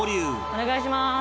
お願いします。